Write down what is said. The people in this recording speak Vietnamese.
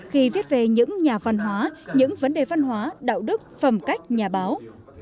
khi viết về những nhà văn hóa những vấn đề văn hóa đạo đức phẩm cách nhà báo